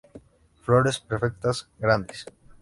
Flores perfectas, grandes.